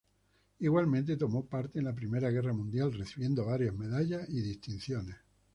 Igualmente tomó parte en la Primera Guerra Mundial, recibiendo varias medallas y distinciones.